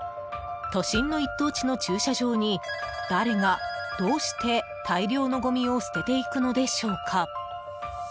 都心の一等地の駐車場に誰が、どうして大量のごみを捨てていくのでしょうか？